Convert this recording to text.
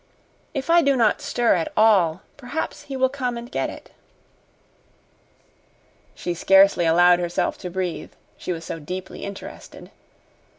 "If I do not stir at all, perhaps he will come and get it." She scarcely allowed herself to breathe, she was so deeply interested.